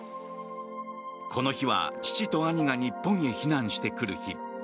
この日は父と兄が日本へ避難してくる日。